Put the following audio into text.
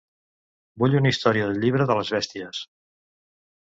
Vull una història del Llibre de les bèsties.